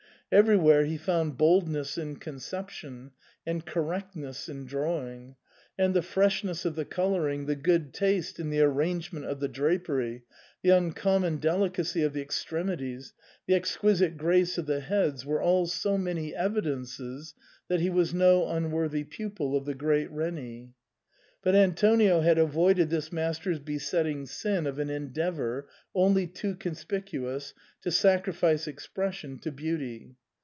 Everywhere he found boldness in conception, and correctness in drawing ; and the freshness of the colouring, the good taste in the arrangement of the drapery, the uncommon delicacy of the extremities, the exquisite grace of the heads, were all so many evidences that he was no un worthy pupil of the great Reni. But Antonio had avoided this master's besetting sin of an endeavour, only too conspicuous, to sacrifice expression to beauty.